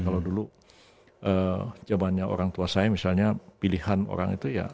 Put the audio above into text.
kalau dulu zamannya orang tua saya misalnya pilihan orang itu ya